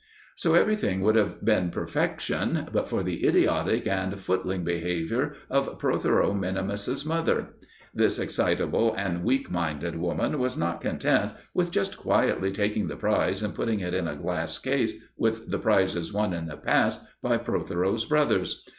So everything would have been perfection but for the idiotic and footling behaviour of Protheroe min.'s mother. This excitable and weak minded woman was not content with just quietly taking the prize and putting it in a glass case with the prizes won in the past by Protheroe's brothers.